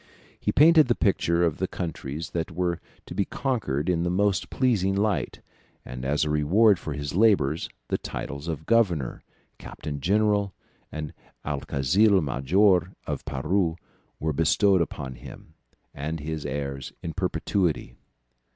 He painted the picture of the countries that were to be conquered in the most pleasing light, and as a reward for his labours the titles of governor, captain general, and alguazil major of Peru were bestowed upon him and his heirs in perpetuity.